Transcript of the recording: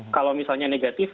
kalau misalnya negatif